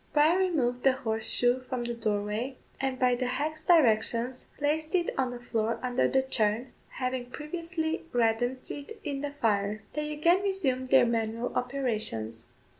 Bryan removed the horseshoe from the doorway, and by the hag's directions placed it on the floor under the churn, having previously reddened it in the fire. They again resumed their manual operations.